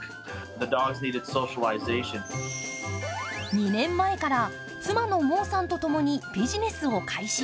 ２年前から妻のモーさんとともにビジネスを開始。